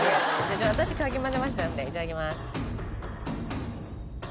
じゃあ私かき混ぜましたのでいただきます。